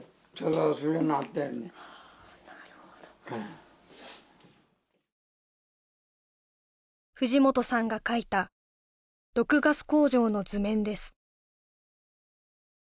なるほど藤本さんが描いた毒ガス工場の図面です